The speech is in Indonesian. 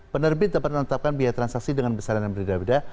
penerbit dapat menetapkan biaya transaksi dengan besaran yang berbeda beda